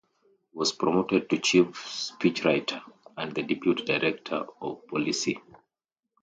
He was promoted to Chief Speechwriter and the Deputy Director of Policy.